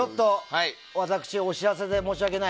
私、お知らせで申し訳ない。